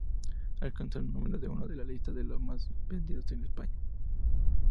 Alcanzó el número uno en las listas de los más vendidos en España.